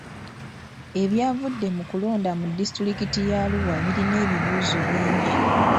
Ebyavudde mu kulonda mu disitulikiti y'Arua birina ebibuuzo bingi.